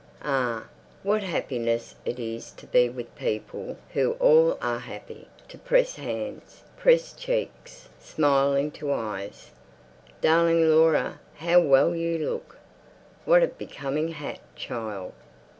Ah, what happiness it is to be with people who all are happy, to press hands, press cheeks, smile into eyes. "Darling Laura, how well you look!" "What a becoming hat, child!"